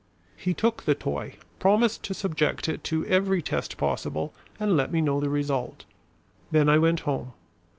He took the toy, promised to subject it to every test possible and let me know the result. Then I went home.